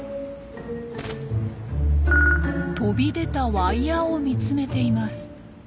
飛び出たワイヤーを見つめています。